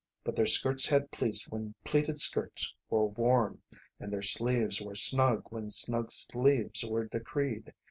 But their skirts had pleats when pleated skirts were worn, and their sleeves were snug when snug sleeves were decreed.